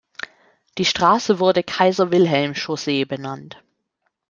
Die Straße wurde "Kaiser-Wilhelm-Chaussee" benannt.